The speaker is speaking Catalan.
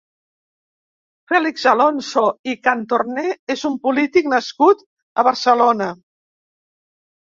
Fèlix Alonso i Cantorné és un polític nascut a Barcelona.